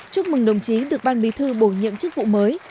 chúc mừng đồng chí được ban bí thư bổ nhiệm chức vụ mới